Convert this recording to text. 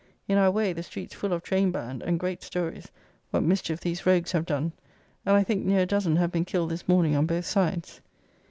In our way, the streets full of Train band, and great stories, what mischief these rogues have done; and I think near a dozen have been killed this morning on both sides.